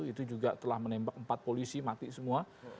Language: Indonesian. itu juga telah menembak empat polisi mati semua